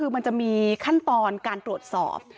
คือมันจะมีขั้นตอนการตรวจสอบ